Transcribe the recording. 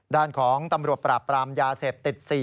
ด้านของตำรวจปราบปรามยาเสพติด๔